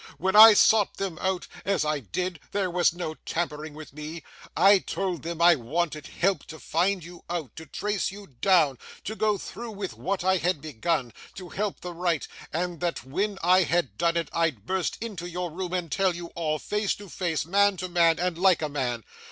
When I sought them out (as I did; there was no tampering with me), I told them I wanted help to find you out, to trace you down, to go through with what I had begun, to help the right; and that when I had done it, I'd burst into your room and tell you all, face to face, man to man, and like a man.